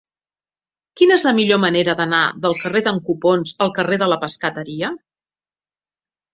Quina és la millor manera d'anar del carrer d'en Copons al carrer de la Pescateria?